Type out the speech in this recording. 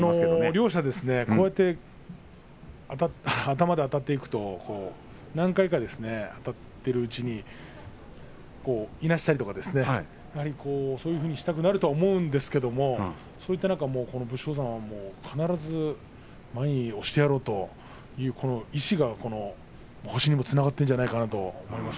両者こうして頭であたっていくと何回かあたっているうちにいなしたりとかそういうふうにしたくなると思うんですけれどその点、武将山は必ず前に押してやろうという武将山は必ず前に押してやろうという意思が星につながっていると思いますね。